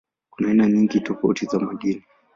Kuna aina nyingi tofauti za madini.